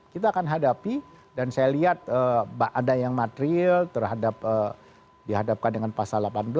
kita akan hadapi dan saya lihat ada yang material terhadap dihadapkan dengan pasal delapan belas